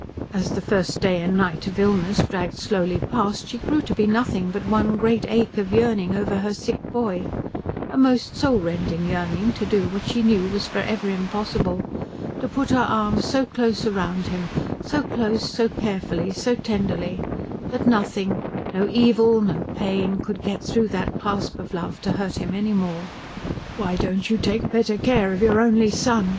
As the first day and night of illness dragged slowly past she grew to be nothing but one great ache of yearning over her sick boy, a most soul rending yearning to do what she knew was for ever impossible, to put her arms so close round him, so close, so carefully, so tenderly, that nothing, no evil, no pain, could get through that clasp of love to hurt him any more. "Why don't you take better care of your only son?"